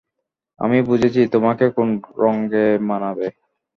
আমি বুঝেছি তোমাকে কোন রঙে মানাবে।